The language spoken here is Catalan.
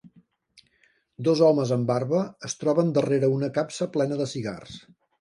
Dos homes amb barba es troben darrere una capsa plena de cigars.